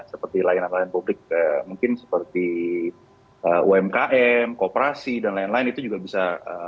seperti layanan layanan publik mungkin seperti umkm kooperasi dan lain lain itu juga bisa